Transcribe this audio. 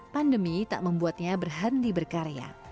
pandemi tak membuatnya berhenti berkarya